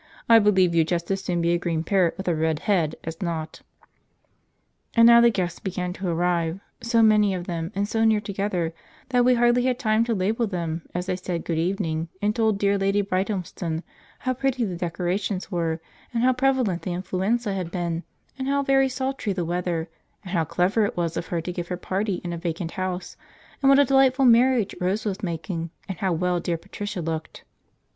"I believe you'd just as soon be a green parrot with a red head as not." And now the guests began to arrive; so many of them and so near together that we hardly had time to label them as they said good evening, and told dear Lady Brighthelmston how pretty the decorations were, and how prevalent the influenza had been, and how very sultry the weather, and how clever it was of her to give her party in a vacant house, and what a delightful marriage Rose was making, and how well dear Patricia looked.